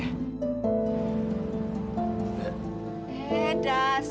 eh dasar bocah sialan